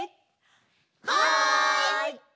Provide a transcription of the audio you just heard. はい！